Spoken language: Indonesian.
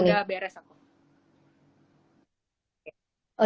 udah beres aku